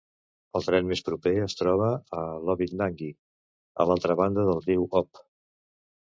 El tren més proper es troba a Labytnangi, a l'altra banda del riu Ob.